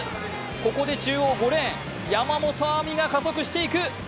ここで中央５レーン、山本亜美が加速していく。